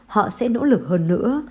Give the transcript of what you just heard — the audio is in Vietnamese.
họ sẽ nỗ lực hơn nữa